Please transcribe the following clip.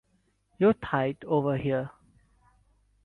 Your thigh's over here.